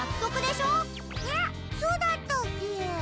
えっそうだったっけ？